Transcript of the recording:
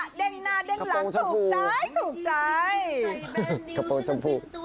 เด้งหน้าเด้งหลังถูกใจถูกใจกระโปรงชมพู